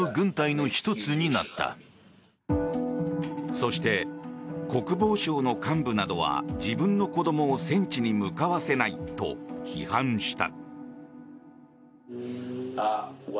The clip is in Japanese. そして、国防省の幹部などは自分の子どもを戦地に向かわせないと批判した。